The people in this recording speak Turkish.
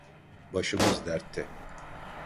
Başımız dertte.